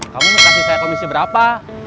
kamu kasih saya komisi berapa